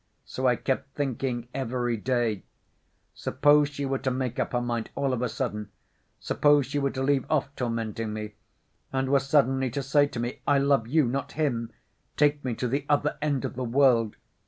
So I kept thinking every day, suppose she were to make up her mind all of a sudden, suppose she were to leave off tormenting me, and were suddenly to say to me, 'I love you, not him; take me to the other end of the world.